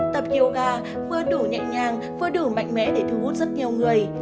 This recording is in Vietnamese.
tập yoga vừa đủ nhẹ nhàng vừa đủ mạnh mẽ để thu hút rất nhiều người